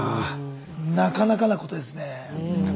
なかなかなことですね。